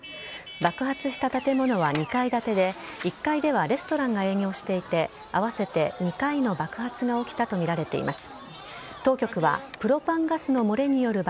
爆発した建物は２階建てで１階ではレストランが営業していて合わせて２回の爆発が起きたとみられています。